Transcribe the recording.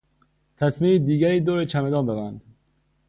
تسمهی دیگری دور چمدان ببند.